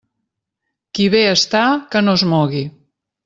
Qui bé està que no es mogui.